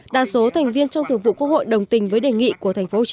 đa số thành viên trong thường vụ quốc hội đồng tình với đề nghị của tp hcm